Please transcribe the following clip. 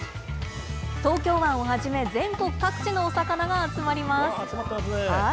東京湾をはじめ、全国各地のお魚が集まります。